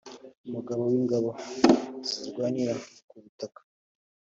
Umugaba w’Ingabo zirwanira ku butaka